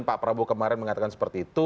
pak prabowo kemarin mengatakan seperti itu